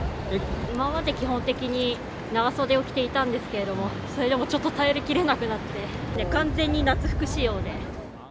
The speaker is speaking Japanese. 今まで基本的に長袖を着ていたんですけれども、それでもちょっと耐え切れなくなって、完全に夏服仕様で。